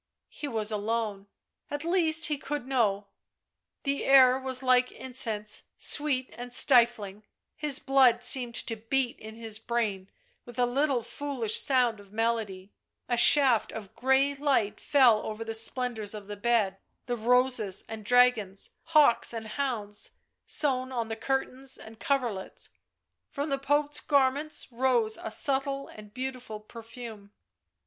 He was alone. At least he could know. The air was like incense sweet and stifling ; his blood seemed to beat in his brain with a little foolish sound of melody ; a shaft of grey light fell over the splendours of the bed, the roses and dragons, hawks and hounds sewn on the curtains and coverlets ; from the Pope's garments rose a subtle and beautiful perfume.